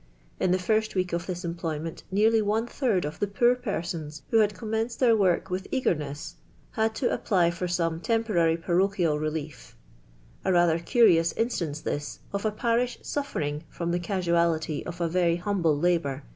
"' In the tirsl werk of thi i em ploy merit nearly one third "f the poor per sons, .\ no had comnicnted their work with eau'cr \\vi», ii.j'l to apply for some ti'jnporary uarochial reljpt". A rather curious in.sUmce thi?, of a parish 8utfiTi::,{ from tlie casualty of a very humble lahioir.